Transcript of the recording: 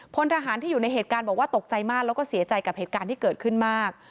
พลทหารที่อยู่ในเหตุการณ์บอกว่าตกใจมากแล้วก็เสียใจกับเหตุการณ์ที่เกิดขึ้นมาก